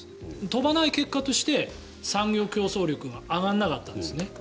飛ばない結果として産業競争力が上がらなかったんですね。